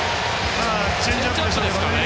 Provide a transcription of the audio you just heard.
チェンジアップでしょうね。